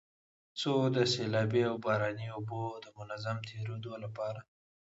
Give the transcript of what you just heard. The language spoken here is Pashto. څو د سيلابي او باراني اوبو د منظم تېرېدو لپاره